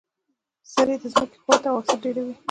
سرې د ځمکې قوت او حاصل ډیروي.